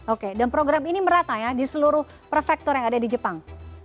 oke dan program ini merata ya di seluruh prefektur yang ada di jepang